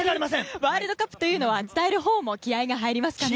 ワールドカップというのは伝えるほうも気合が入りますかね。